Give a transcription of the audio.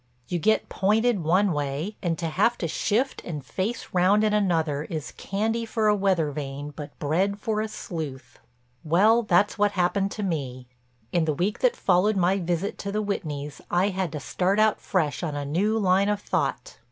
You get pointed one way, and to have to shift and face round in another is candy for a weather vane but bread for a sleuth. Well, that's what happened to me. In the week that followed my visit to the Whitneys I had to start out fresh on a new line of thought.